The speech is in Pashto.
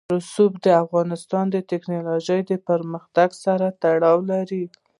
رسوب د افغانستان د تکنالوژۍ پرمختګ سره تړاو لري.